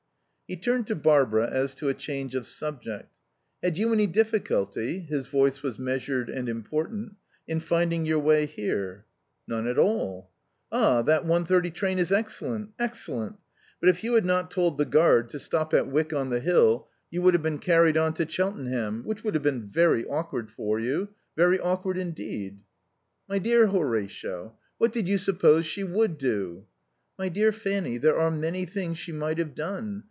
He turned to Barbara as to a change of subject. "Had you any difficulty" (his voice was measured and important) "in finding your way here?" "None at all." "Ah, that one thirty train is excellent. Excellent. But if you had not told the guard to stop at the Hill you would have been carried on to Cheltenham. Which would have been very awkward for you. Very awkward indeed." "My dear Horatio, what did you suppose she would do?" "My dear Fanny, there are many things she might have done.